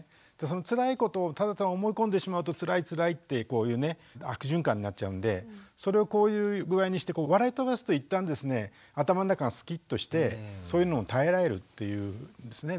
そのつらいことをただただ思い込んでしまうとつらいつらいってこういうね悪循環になっちゃうんでそれをこういう具合にして笑い飛ばすと一旦ですね頭の中がスキッとしてそういうのを耐えられるっていうんですね。